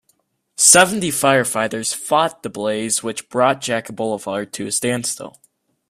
Seventy firefighters fought the blaze which brought Jacka Boulevard to a standstill.